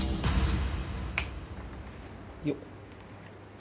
よっ。